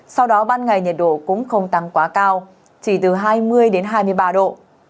sau đó ban ngày nhiệt độ cũng không tăng quá cao chỉ từ hai mươi đến hai mươi ba độ